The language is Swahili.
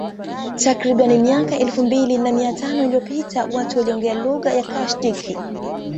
Takriban miaka elfu mbili na mia tano iliyopita watu walionge lugha ya Cushitic